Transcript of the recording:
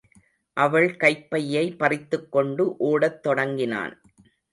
அவள் கைப் பையை பறித்துக் கொண்டு ஓடத் தொடங்கினான்.